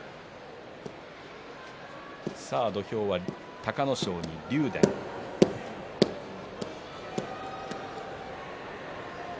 土俵は隆の勝に竜電です。